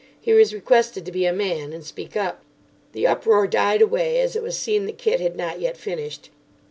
He was requested to be a man and speak up. The uproar died away as it was seen that Kit had not yet finished.